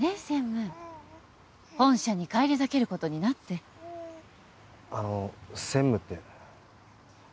専務本社に返り咲けることになってあの専務って？